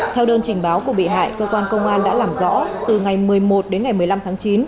theo đơn trình báo của bị hại cơ quan công an đã làm rõ từ ngày một mươi một đến ngày một mươi năm tháng chín